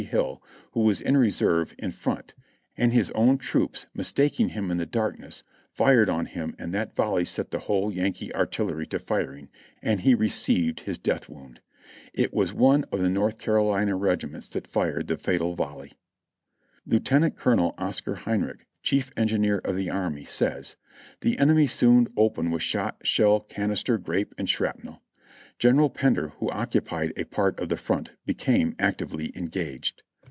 Hill, who was in reserve, in front, and his own troops, mistaking him in the darkness, fired on him and that volley set the whole Yankee artillery to firing ; and he received his death wound. It was one of the North Carolina regiments that fired the fatal volley. Lieutenant Colonel Oscar Heinrich, Chief Engineer of the Army, says : "The enemy soon opened with shot, shell, canister, grape and shrapnel. General Pender, who occupied a part of the front, became actively engaged.